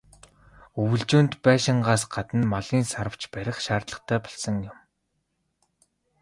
Өвөлжөөнд байшингаас гадна малын "саравч" барих шаардлагатай болсон юм.